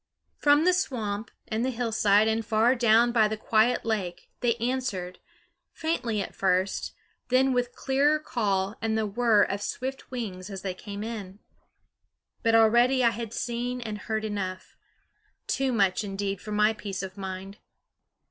From the swamp and the hillside and far down by the quiet lake they answered, faintly at first, then with clearer call and the whirr of swift wings as they came in. But already I had seen and heard enough; too much, indeed, for my peace of mind.